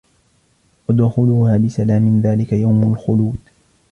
ادْخُلُوهَا بِسَلَامٍ ذَلِكَ يَوْمُ الْخُلُودِ